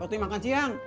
waktu ini makan siang